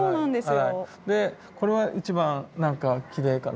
でこれは一番なんかきれいかな。